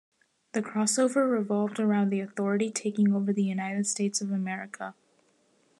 The crossover revolved around the Authority taking over the United States of America.